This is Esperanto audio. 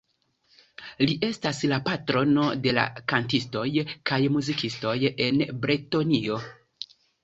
Li estas la patrono de la kantistoj kaj muzikistoj en Bretonio.